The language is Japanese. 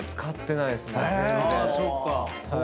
あそっか。